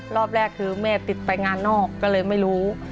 รอบแรกคือแม่ติดไปงานนอกก็เลยไม่รู้